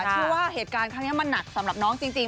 ที่ว่าเหตุการณ์ที่นี่๒๐๒๑สำหรับน้องจริง